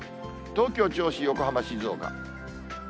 東京、銚子、横浜、静岡。